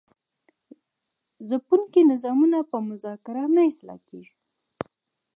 ځپونکي نظامونه په مذاکره نه اصلاح کیږي.